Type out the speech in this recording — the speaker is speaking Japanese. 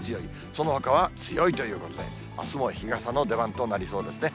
そのほかは強いということで、あすも日傘の出番となりそうですね。